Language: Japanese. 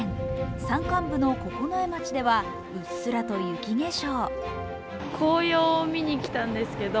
山間部の九重町ではうっすらと雪化粧。